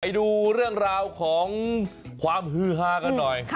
ดูเรื่องราวของความฮือฮากันหน่อย